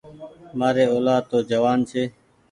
مآري اولآد تو جوآن ڇي۔